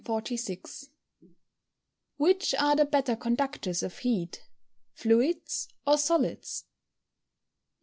CHAPTER VIII. 146. _Which are the better conductors of heat, fluids or solids?